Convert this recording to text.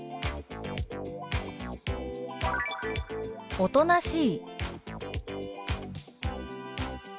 「おとなしい」。